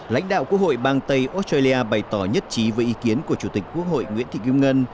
lãnh đạo quốc hội bang tây australia bày tỏ nhất trí với ý kiến của chủ tịch quốc hội nguyễn thị kim ngân